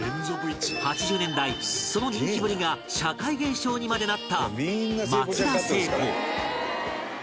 ８０年代その人気ぶりが社会現象にまでなった松田聖子